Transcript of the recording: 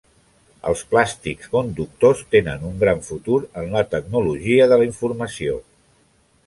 Els plàstics conductors tenen un gran futur en la tecnologia de la informació.